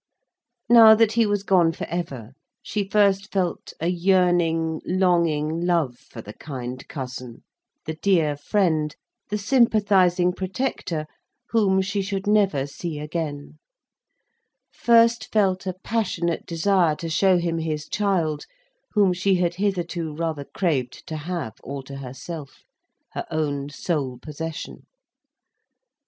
Now that he was gone for ever, she first felt a yearning, longing love for the kind cousin, the dear friend, the sympathising protector, whom she should never see again,—first felt a passionate desire to show him his child, whom she had hitherto rather craved to have all to herself—her own sole possession.